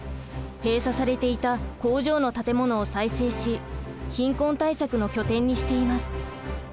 閉鎖されていた工場の建物を再生し貧困対策の拠点にしています。